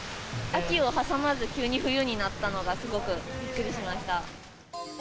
秋を挟まず、急に冬になったのが、すごくびっくりしました。